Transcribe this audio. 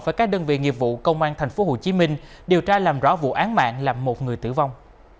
với các đơn vị nghiệp vụ công an tp hcm điều tra làm rõ vụ án mạng làm một người tử vong